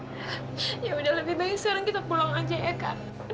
ya sudah lebih baik sekarang kita pulang saja ya kan